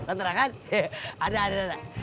kontrakan ada ada ada